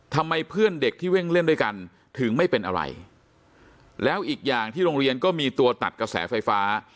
ทำไมเพื่อนเด็กที่วิ่งเล่นด้วยกันถึงไม่เป็นอะไรแล้วอีกอย่างที่โรงเรียนก็มีตัวตัดกระแสไฟฟ้า